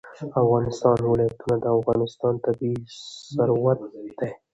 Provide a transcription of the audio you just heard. د افغانستان ولايتونه د افغانستان طبعي ثروت دی.